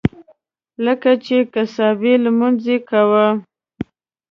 لکه چې قضایي لمونځ یې کاوه.